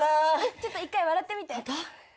ちょっと一回笑ってみて。